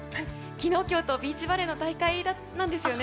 昨日、今日と、ビーチバレーの大会なんですよね。